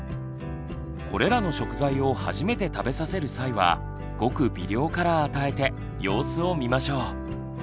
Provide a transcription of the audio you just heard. これらの食材を初めて食べさせる際はごく微量から与えて様子を見ましょう。